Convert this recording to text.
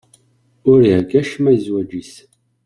Ur ihegga acemma i zzwaǧ-is.